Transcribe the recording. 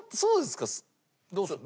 どうするの？